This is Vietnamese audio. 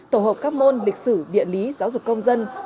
tổ hợp các môn lịch sử địa lý giáo dục công dân